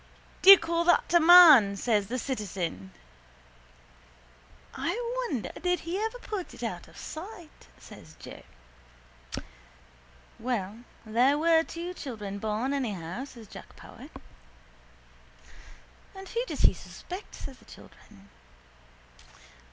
—Do you call that a man? says the citizen. —I wonder did he ever put it out of sight, says Joe. —Well, there were two children born anyhow, says Jack Power. —And who does he suspect? says the citizen.